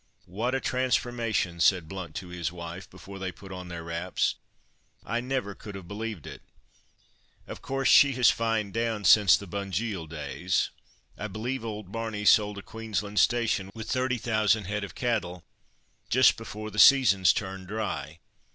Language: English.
"What a transformation!" said Blount to his wife, before they put on their wraps. "I never could have believed it. Of course she has fined down since the Bunjil days. I believe old Barney sold a Queensland station, with 30,000 head of cattle, just before the seasons turned dry.